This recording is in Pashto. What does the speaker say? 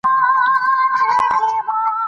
زه د ځیرکتیا ارزښت پیژنم.